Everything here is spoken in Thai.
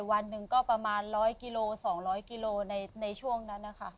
วันหนึ่งก็ประมาณ๑๐๐กิโล๒๐๐กิโลในช่วงนั้นนะคะ